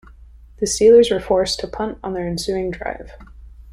The Steelers were forced to punt on their ensuing drive.